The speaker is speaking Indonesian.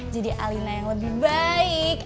jadi alina yang lebih baik